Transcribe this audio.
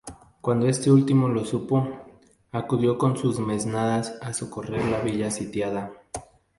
Cuando este último lo supo, acudió con sus mesnadas a socorrer la villa sitiada.